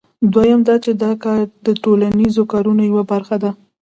دویم دا چې دا کار د ټولنیزو کارونو یوه برخه ده